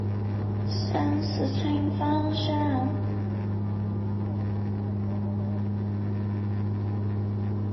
数字符号的语义在其特定的组合中是不同的。